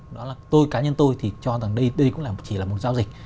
đó là cá nhân tôi thì cho rằng đây cũng chỉ là một giao dịch